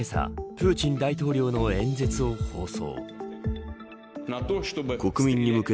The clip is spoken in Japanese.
プーチン大統領の演説を放送。